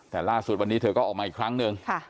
แต่ล่าสุดวันนี้เธอก็ออกมาอีกครั้งหนึ่ง